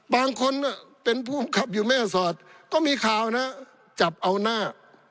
บางคนเป็นผู้ขับอยู่แม่สอดก็มีข่าวนะจับเอาหน้า